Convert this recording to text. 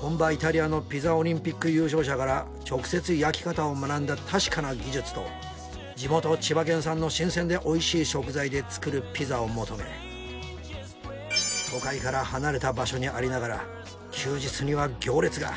本場イタリアのピザオリンピック優勝者から直接焼き方を学んだ確かな技術と地元千葉県産の新鮮で美味しい食材で作るピザを求め都会から離れた場所にありながら休日には行列が。